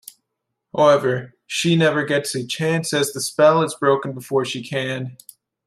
However, she never gets a chance as the spell is broken before she can.